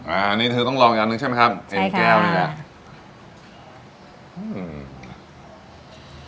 อันนี้เธอต้องลองอย่างหนึ่งใช่ไหมครับเต็มแก้วนี่แหละอืม